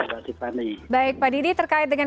mbak tiffany baik pak didi terkait dengan